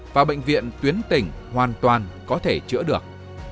và bệnh viện tuyến tỉnh hoàn toàn có thể chữa được